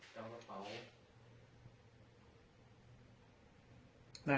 ฟับต่อขึ้นมา